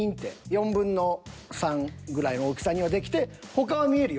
４分の３ぐらいの大きさにはできて他は見えるよ。